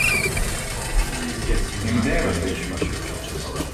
in deeġataymi